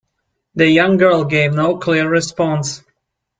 The young girl gave no clear response.